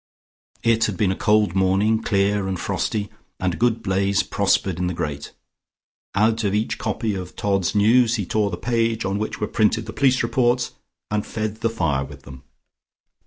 It had been a cold morning, clear and frosty, and a good blaze prospered in the grate. Out of each copy, of "Todd's News" he tore the page on which were printed the police reports, and fed the fire with them.